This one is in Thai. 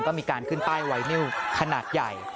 ก็มีการขึ้นป้ายไวนิวขนาดใหญ่